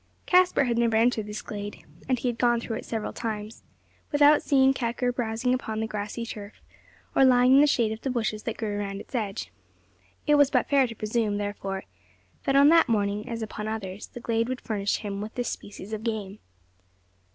Caspar had never entered this glade and he had gone through it several times without seeing kakur browsing upon the grassy turf, or lying in the shade of the bushes that grew around its edge. It was but fair to presume, therefore, that on that morning, as upon others, the glade would furnish him with this species of game.